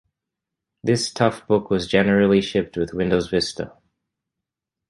This Toughbook was generally shipped with Windows Vista.